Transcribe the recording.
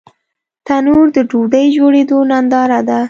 تنور د ډوډۍ جوړېدو ننداره ده